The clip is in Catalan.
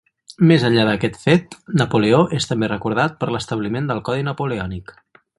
Més enllà d'aquest fet, Napoleó és també recordat per l'establiment del codi Napoleònic.